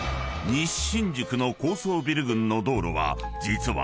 西新宿の高層ビル群の道路は実は］